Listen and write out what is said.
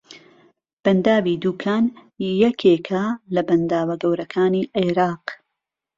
بەنداوی دووکان یەکێکە لە بەنداوە گەورەکانی عێراق